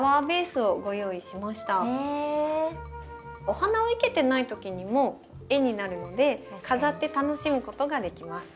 お花を生けてない時にも絵になるので飾って楽しむことができます。